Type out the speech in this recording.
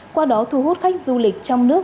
qua đó thu hút khách du lịch trong nước